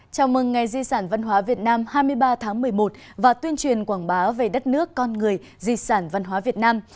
chào mừng ngày di sản văn hóa việt nam hai mươi ba tháng một mươi một và tuyên truyền quảng bá về đất nước con người di sản văn hóa việt nam